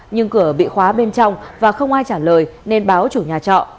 nhưng cửa bị khóa bên trong và không ai trả lời nên báo chủ nhà trọ